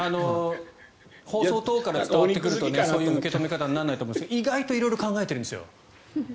放送等から伝わってくるとそういう受け止めにならないかと思いますが意外と色々考えてるんですよ。